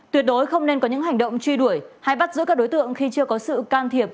tuyệt đối không nên có những hành động truy đuổi hay bắt giữ các đối tượng khi chưa có sự can thiệp